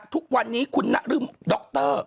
ทุกวันนี้คุณนรึ่มดร